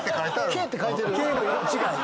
「Ｋ」って書いてる？